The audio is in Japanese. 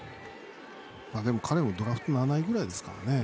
でも、彼もドラフト７位ぐらいですからね